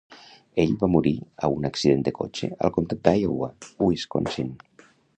Ell va morir a un accident de cotxe al comtat d'Iowa, Wisconsin.